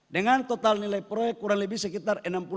dengan total nilai proyek kurang lebih sekitar